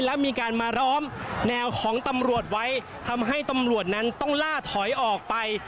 และมีการมาล้อมแนวของตำรวจไว้ทำให้ตำรวจนั้นต้องล่าถอยออกไป